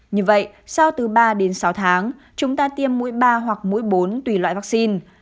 như vậy sau từ ba đến sáu tháng chúng ta tiêm mũi ba hoặc mũi bốn tùy loại vaccine